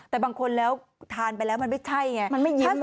แต่บางคนแล้วทานไปแล้วมันไม่ใช่ไง